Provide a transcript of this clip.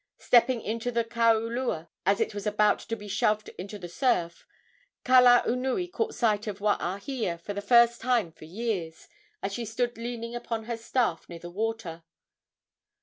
Stepping into the kaulua as it was about to be shoved into the surf, Kalaunui caught sight of Waahia, for the first time for years, as she stood leaning upon her staff near the water.